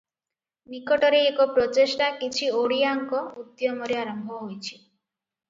ନିକଟରେ ଏକ ପ୍ରଚେଷ୍ଟା କିଛି ଓଡ଼ିଆଙ୍କ ଉଦ୍ୟମରେ ଆରମ୍ଭ ହୋଇଛି ।